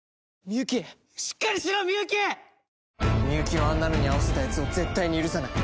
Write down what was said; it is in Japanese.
美幸をあんな目に遭わせたやつを絶対に許さない。